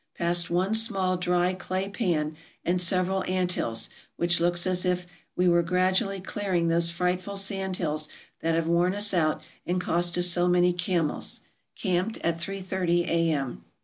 Passed one small dry clay pan and several ant hills, which looks as if we were gradually clearing those frightful sand hills that have worn us out and cost us so many camels. Camped at three thirty A.M.